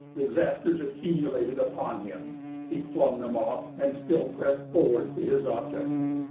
Disasters accumulated upon him. He flung them off, and still pressed forward to his object.